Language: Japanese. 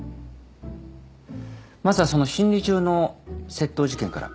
まずはその審理中の窃盗事件から。